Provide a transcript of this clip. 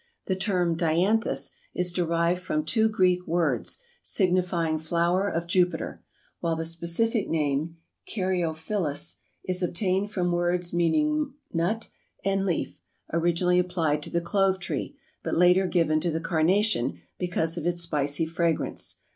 The term Dianthus is derived from two Greek words, signifying flower of Jupiter, while the specific name, caryophyllus, is obtained from words meaning nut and leaf, originally applied to the clove tree, but later given to the Carnation, because of its spicy fragrance.